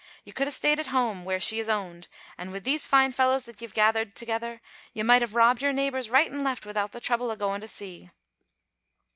Ye could have stayed at hame, where she is owned, an' wi' these fine fellows that ye have gathered thegither, ye might have robbed your neebours right an' left wi'out the trouble o' goin' to sea."